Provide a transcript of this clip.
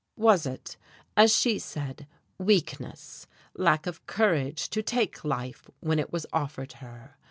Was it, as she said, weakness, lack of courage to take life when it was offered her?...